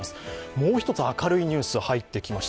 もう１つ、明るいニュースが入ってきました。